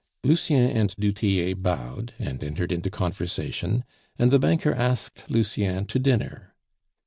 Lucien and du Tillet bowed, and entered into conversation, and the banker asked Lucien to dinner.